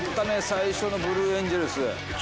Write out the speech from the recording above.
最初のブルー・エンジェルス。